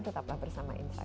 tetaplah bersama insight